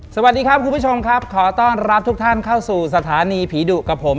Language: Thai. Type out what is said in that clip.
สวัสดีครับคุณผู้ชมครับขอต้อนรับทุกท่านเข้าสู่สถานีผีดุกับผม